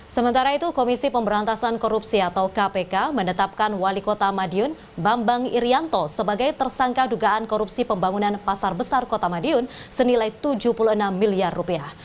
sementara itu komisi pemberantasan korupsi atau kpk menetapkan wali kota madiun bambang irianto sebagai tersangka dugaan korupsi pembangunan pasar besar kota madiun senilai tujuh puluh enam miliar rupiah